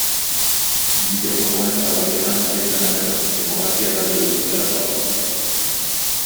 Bideo-jokoen zabalketan jarri zuen arreta, demografia-talde guztietara zabaltzen.